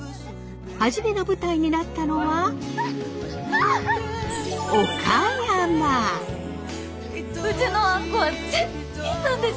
初めの舞台になったのはうちのあんこは絶品なんです。